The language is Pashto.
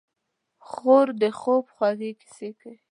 خور د خوب خوږې کیسې کوي.